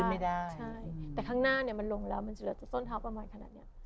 แต่ข้างหน้ามันลงแล้วมันจะเหลือต้นเท้าประมาณขนาดนี้